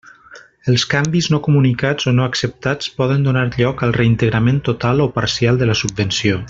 Els canvis no comunicats o no acceptats poden donar lloc al reintegrament total o parcial de la subvenció.